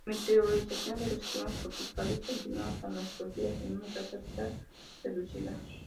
La meteorización en los climas tropicales continúa hasta nuestros días una tasa reducida.